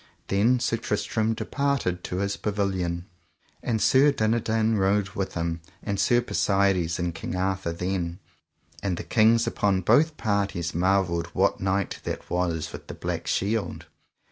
Then Sir Tristram departed to his pavilion, and Sir Dinadan rode with him; and Sir Persides and King Arthur then, and the kings upon both parties, marvelled what knight that was with the black shield.